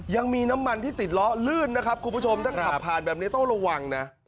ยังมีน้ำมันที่ติดล้อลื่นนะครับคุณผู้ชมถ้าขับผ่านแบบนี้ต้องระวังนะ